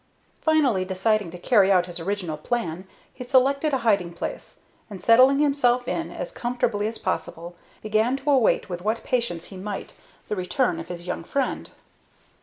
Finally, deciding to carry out his original plan, he selected a hiding place, and, settling himself in it as comfortably as possible, began to await with what patience he might the return of his young friend.